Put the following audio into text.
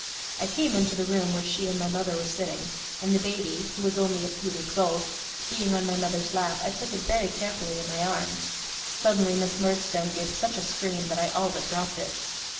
I came into the room where she and my mother were sitting; and the baby (who was only a few weeks old) being on my mother's lap, I took it very carefully in my arms. Suddenly Miss Murdstone gave such a scream that I all but dropped it.